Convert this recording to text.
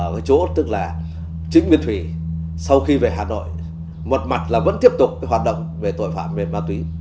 với chỗ tức là trịnh nguyên thủy sau khi về hà nội một mặt là vẫn tiếp tục hoạt động về tội phạm về ma túy